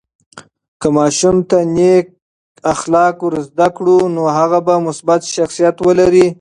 که ماشوم ته نیک اخلاق ورزده کړو، نو هغه به مثبت شخصیت ولري.